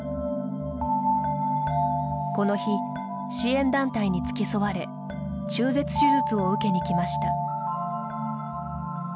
この日、支援団体に付き添われ中絶手術を受けに来ました。